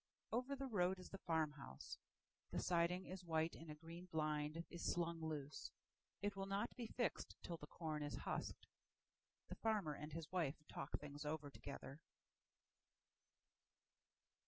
Over the road is the farmhouse. The siding is white and a green blind is slung loose.It will not be fixed till the corn is husked. The farmer and his wife talk things over together.